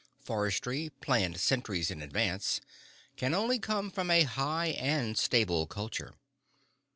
Forestry, planned centuries in advance, can only come from a high and stable culture.